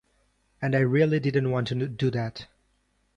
And I really didn't want to do that.